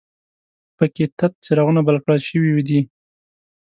په کې تت څراغونه بل کړل شوي دي.